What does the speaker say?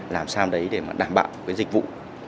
làm sao để đảm bảo dịch vụ